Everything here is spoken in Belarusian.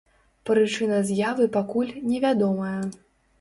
Прычына з'явы пакуль не вядомая.